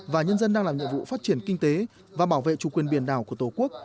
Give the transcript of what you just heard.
và nhân dân đang làm nhiệm vụ phát triển kinh tế và bảo vệ chủ quyền biển đảo của tổ quốc